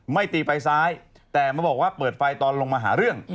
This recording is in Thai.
ตีไฟซ้ายแต่มาบอกว่าเปิดไฟตอนลงมาหาเรื่อง